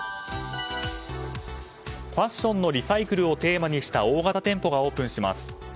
ファッションのリサイクルをテーマにした大型店舗がオープンします。